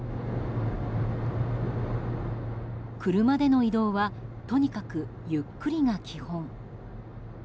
車での移動はとにかく、ゆっくりが基本。